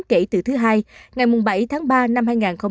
kể từ thứ hai ngày bảy tháng ba năm hai nghìn hai mươi